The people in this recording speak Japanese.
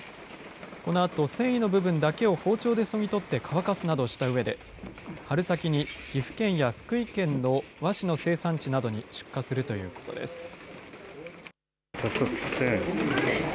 このあと繊維の部分だけを包丁でそぎ取って乾かすなどしたうえで、春先に岐阜県や福井県の和紙の生産地などに出荷するということです。